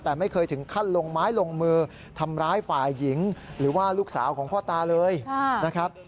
แต่ไม่เคยถึงขั้นลงไม้ลงมือทำร้ายฝ่ายหญิงหรือว่าลูกสาวของพ่อตาเลยนะครับ